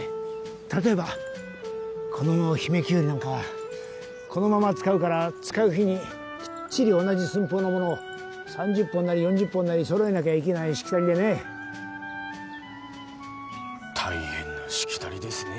例えばこの姫きゅうりなんかはこのまま使うから使う日にきっちり同じ寸法のものを３０本なり４０本なり揃えなきゃいけないしきたりでね大変なしきたりですね